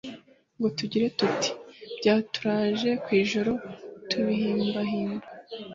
ngo tugire tuti: “byaturaje kw’ijoro tubihimbahimba.”